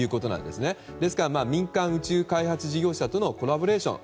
ですから民間宇宙開発事業者とのコラボレーション。